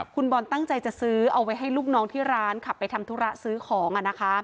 คุณบอลตั้งใจจะซื้อเอาไว้ให้ลูกน้องที่ร้านขับไปทำธุระซื้อของ